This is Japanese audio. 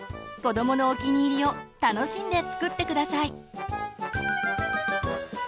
子どものお気に入りを楽しんで作って下さい。